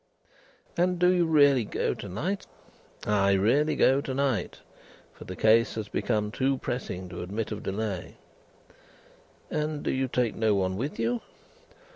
"And do you really go to night?" "I really go to night, for the case has become too pressing to admit of delay." "And do you take no one with you?"